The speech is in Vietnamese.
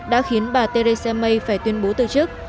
đã khiến bà theresa may phải tuyên bố từ chức